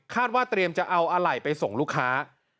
ว่าเตรียมจะเอาอะไหล่ไปส่งลูกค้า